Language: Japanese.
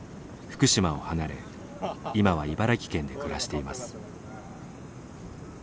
福島を離れ今は茨城県で暮らしています。